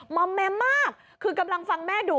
อมแม้มมากคือกำลังฟังแม่ดู